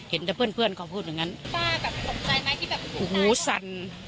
เห็นแต่เพื่อนเพื่อนเขาพูดอย่างงั้นป้าแบบตกใจไหมที่แบบโอ้โหสั่น